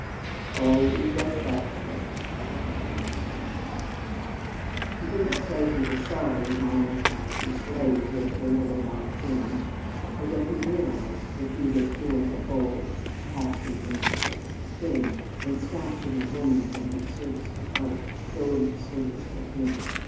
"Oh, we've both got to work," added Fitzgerald. He didn't say he was sorry Marna had to slave with her little white hands, or that he realized that he was doing a bold perhaps an impious thing in snatching a woman from her service to art to go into service for him.